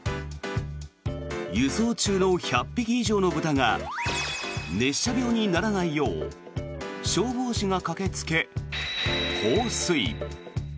輸送中の１００匹以上の豚が熱射病にならないよう消防士が駆けつけ、放水。